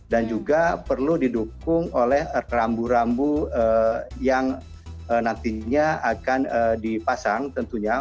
dan juga perlu didukung oleh rambu rambu yang nantinya akan dipasang tentunya